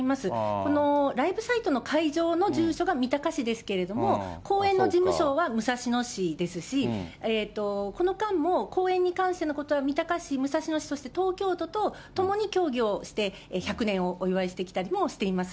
このライブサイトの会場の住所が三鷹市ですけれども、公園の事務所は武蔵野市ですし、この間も公園に関してのことは三鷹市、武蔵野市、そして東京都と共に協議をして、１００年をお祝いしてきたりもしています。